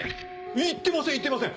言ってません言ってません！